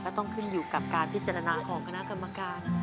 ต้องขึ้นอยู่กับการพิจารณาของคณะกรรมการ